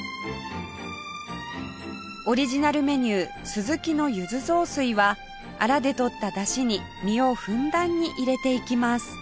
オリジナルメニュースズキの柚子雑炊はアラで取ったダシに身をふんだんに入れていきます